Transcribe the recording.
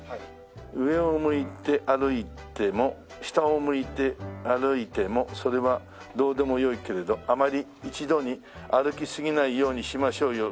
上を向いて歩いても下を向いて歩いてもそれはどうでもよいけれどあまり一度に歩きすぎないようにしましょうよ。